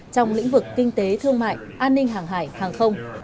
trong lĩnh vực kinh tế thương mại an ninh hàng hải hàng không